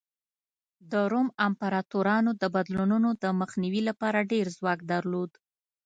د روم امپراتورانو د بدلونونو د مخنیوي لپاره ډېر ځواک درلود